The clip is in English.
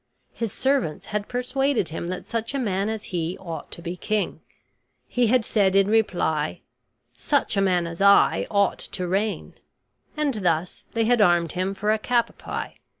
His servants had persuaded him that such a man as he ought to be king; he had said in reply, "Such a man as I ought to reign"; and thus they had armed him for a cap a pie.